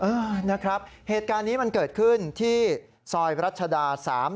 เออนะครับเหตุการณ์นี้มันเกิดขึ้นที่ซอยรัชดา๓๐